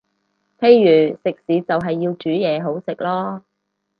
譬如食肆就係要煮嘢好食囉